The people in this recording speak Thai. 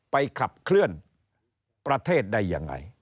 ไปขับเคลื่อนประเทศได้อย่างไร